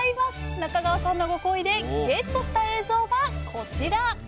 中川さんのご厚意でゲットした映像がこちら！